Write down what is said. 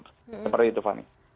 seperti itu fanny